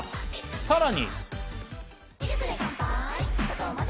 さらに。